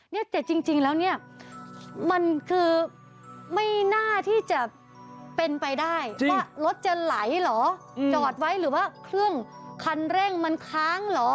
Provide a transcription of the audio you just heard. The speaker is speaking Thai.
เนี่ยแต่จริงแล้วเนี่ยมันคือไม่น่าที่จะเป็นไปได้ว่ารถจะไหลเหรอจอดไว้หรือว่าเครื่องคันเร่งมันค้างเหรอ